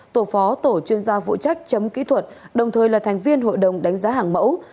tổ phó tổ chuyên gia vụ trách chấm kỹ thuật đồng thời là thành viên hội đồng đánh giá hàng mẫu